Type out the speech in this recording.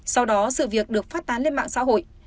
sau đó sự việc được phát tán lên mạng xã hội